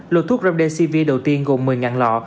lột thuốc remdesivir đầu tiên gồm một mươi lọ